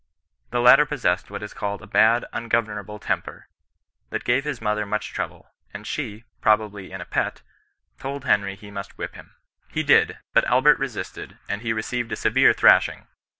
The latter possessed what is called a bad, ungovernable temper, that gave his mother much trouble; and she (probably in a pet) told Henry he must whip him. He did ; but Albert resisted, and he Teceived a severe thrashing.